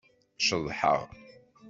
Ceḍḥeɣ.